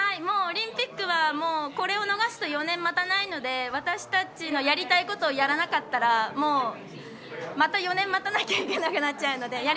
オリンピックはこれを逃すと４年ないので私たちのやりたいことをやらなかったらまた４年待たなきゃいけなくなっちゃうので。